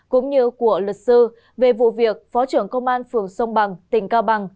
cũng như của luật sư về vụ việc phó trưởng công an phường sông bằng tỉnh cao bằng